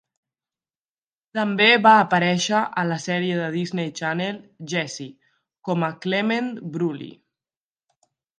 També va aparèixer a la sèrie de Disney Channel "Jessie" com a "Clement Brulee".